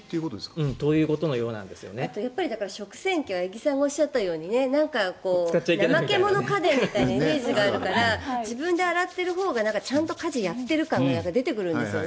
あとは食洗機は八木さんがおっしゃったように怠け者家電みたいなイメージがあるから自分で洗っているほうがちゃんと家事をやってる感が出てくるんですよね。